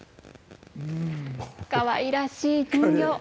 かわいらしい人形。